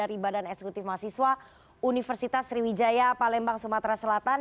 dan juga teman teman dari badan eksekutif mahasiswa universitas sriwijaya palembang sumatera selatan